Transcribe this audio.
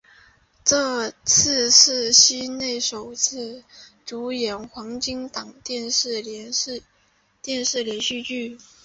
这次是西内首次主演黄金档的电视连续剧。